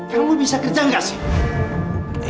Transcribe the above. kamu bisa kerja nggak sih